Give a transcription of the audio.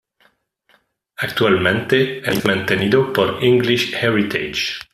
Actualmente es mantenido por English Heritage.